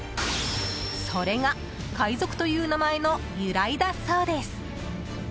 それが、海賊という名前の由来だそうです。